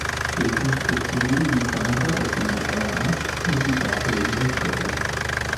Jason spricht Milly wie vereinbart auf seiner Feier an, und sie verabreden sich später.